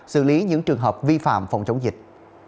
xử lý những trường hợp vi phạm phòng chống dịch